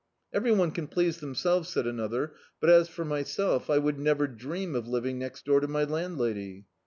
"Every one can please them selves," said another, "but as for myself, I would never dream of living next door to my landlady."